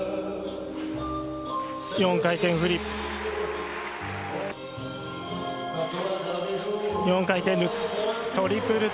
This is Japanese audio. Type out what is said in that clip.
４回転フリップ。